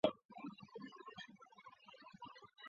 出生于崎玉县熊谷市。